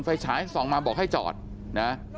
ฉายส่องมาบอกให้จอดนะ